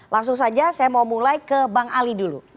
langsung saja saya mau mulai ke bang ali dulu